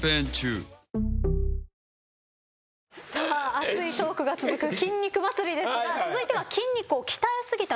熱いトークが続く筋肉祭りですが続いては筋肉を鍛え過ぎた